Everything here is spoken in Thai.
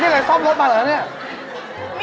นี่เขากันส่วมรถมาแล้วนี่